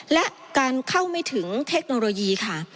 และการเข้าไม่ถึงเทคโนโลยีค่ะ